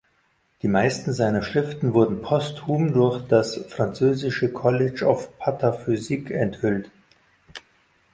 Die meisten seiner Schriften wurden posthum durch das französische College of Pataphysique enthüllt.